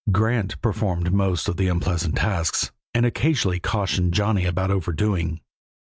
Grant performed most of the unpleasant tasks, and occasionally cautioned Johnny about overdoing.